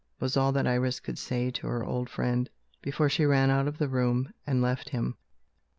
was all that Iris could say to her old friend before she ran out of the room, and left him.